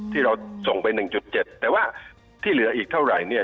ที่เราส่งไปหนึ่งจุดเจ็ดแต่ว่าที่เหลืออีกเท่าไรเนี่ย